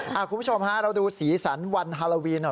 คุณผู้ชมฮะเราดูสีสันวันฮาโลวีนหน่อย